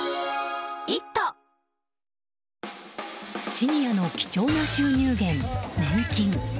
シニアの貴重な収入源、年金。